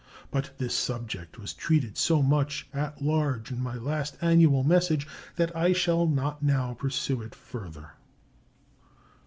But this subject was treated so much at large in my last annual message that I shall not now pursue it further.